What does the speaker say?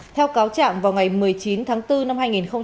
theo cáo trạng vào ngày một mươi chín tháng bốn năm hai nghìn hai mươi